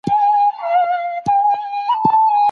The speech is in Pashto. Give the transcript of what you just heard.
فکري وضاحت یوازي په ترتیب کي څرګندېږي.